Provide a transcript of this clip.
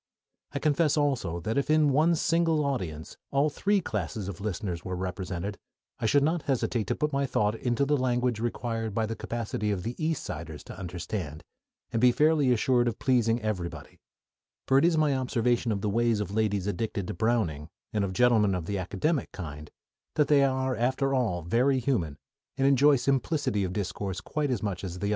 I confess also that if in one single audience all three classes of listeners were represented, I should not hesitate to put my thought into the language required by the capacity of the East Siders to understand, and be fairly assured of pleasing everybody; for it is my observation of the ways of ladies addicted to Browning, and of gentlemen of the academic kind, that they are after all very human, and enjoy simplicity of discourse quite as much as the other sort.